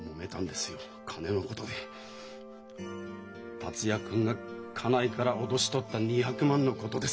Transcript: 達也君が家内から脅し取った２００万のことですよ。